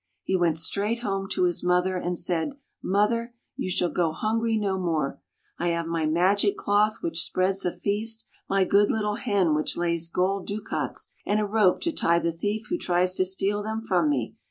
He went straight home to his mother, and said, " Mother, you shall go hungry no more. I have my magic cloth which spreads a feast; my good little hen which lays gold ducats; and a rope to tie the thief who tries to steal them from me.